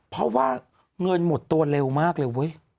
เพราะว่าเงินหมดตัวเร็วมากเลยเว้ย